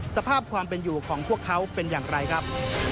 สภาพความเป็นอยู่ของพวกเขาเป็นอย่างไรครับ